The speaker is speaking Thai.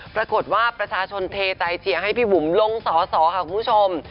ปรากฏว่าประชาชนเทใจเชียร์ให้พี่บุ๋มลงสอสอค่ะคุณผู้ชม